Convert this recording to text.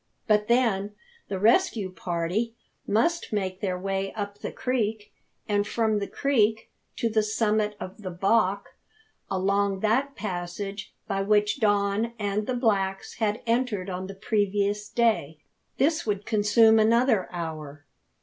But then, the rescue party must make their way up the creek, and from the creek to the summit of the Bock, along that passage by which Don and the blacks had entered on the previous day. This would consume another hour.